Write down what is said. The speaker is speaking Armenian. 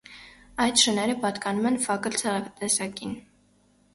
Այդ շները պատկանում են «ֆակլ» ցեղատեսակին։